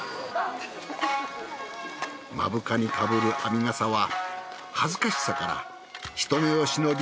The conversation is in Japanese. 目深にかぶる編笠は恥ずかしさから人目を忍び